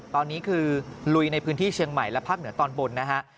ตอนนี้คือลุยในพื้นที่เชียงใหม่และภาคเหนือตอนบนนะฮะ